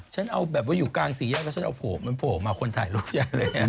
ฉันเอาแบบว่าอยู่กลางสี่แยกแล้วฉันเอาโผล่มันโผล่มาคนถ่ายรูปใหญ่เลย